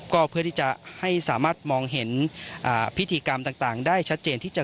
ก็เพื่อที่จะให้สามารถมองเห็นพิธีกรรมต่างได้ชัดเจนที่จะ